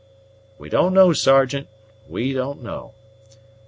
"We don't know, Sergeant, we don't know.